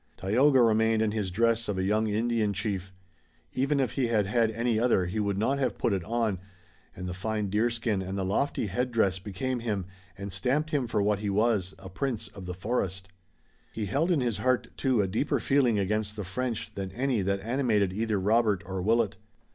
Tayoga remained in his dress of a young Indian chief. Even if he had had any other he would not have put it on, and the fine deerskin and the lofty headdress became him and stamped him for what he was, a prince of the forest. He held in his heart, too, a deeper feeling against the French than any that animated either Robert or Willet.